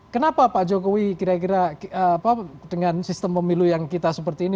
kenapa pak jokowi kira kira dengan sistem pemilu yang kita seperti ini